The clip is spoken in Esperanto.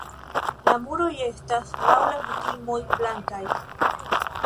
La muroj estas laŭ la kutimoj blankaj.